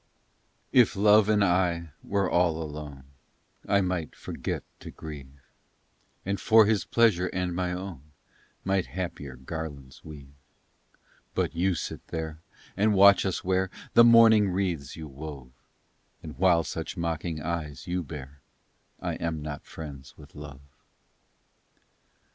IF Love and I were all alone I might forget to grieve, And for his pleasure and my own Might happier garlands weave; But you sit there, and watch us wear The mourning wreaths you wove: And while such mocking eyes you bear I am not friends with Love.